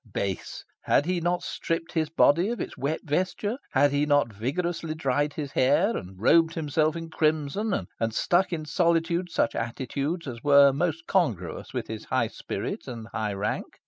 Base! Had he not stripped his body of its wet vesture? Had he not vigorously dried his hair, and robed himself in crimson, and struck in solitude such attitudes as were most congruous with his high spirit and high rank?